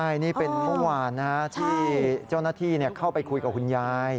ครับนี่เป็นผ้าหวาญล่ะที่เจ้านาธิเข้าไปคุยกับคุณยาย